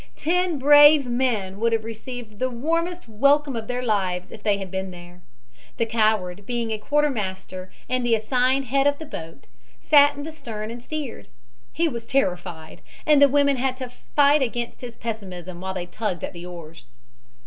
Ten brave men would have received the warmest welcome of their lives if they had been there. The coward, being a quartermaster and the assigned head of the boat, sat in the stern and steered. He was terrified, and the women had to fight against his pessimism while they tugged at the oars.